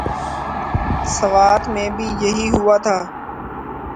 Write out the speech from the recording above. سوات میں بھی یہی ہوا تھا۔